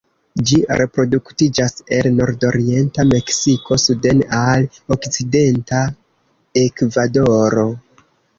Ĝi reproduktiĝas el nordorienta Meksiko suden al okcidenta Ekvadoro.